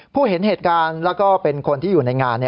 เห็นเหตุการณ์แล้วก็เป็นคนที่อยู่ในงาน